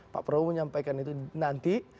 pak prabowo menyampaikan itu nanti